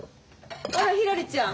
あらひらりちゃん。